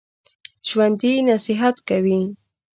ژوندي نصیحت کوي